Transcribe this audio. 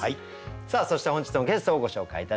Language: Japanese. さあそして本日のゲストをご紹介いたします。